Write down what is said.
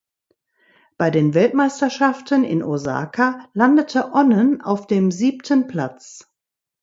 Bei den Weltmeisterschaften in Osaka landete Onnen auf dem siebten Platz.